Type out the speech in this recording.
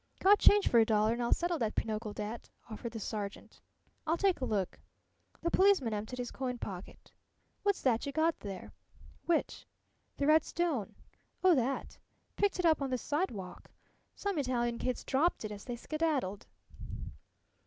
"Got change for a dollar, an' I'll settle that pinochle debt," offered the sergeant. "I'll take a look." The policeman emptied his coin pocket. "What's that yuh got there?" "Which?" "The red stone?" "Oh, that? Picked it up on the sidewalk. Some Italian kids dropped it as they skedaddled."